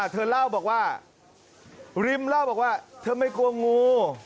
เธอเล่าบอกว่าริมเล่าบอกว่าเธอไม่กลัวงู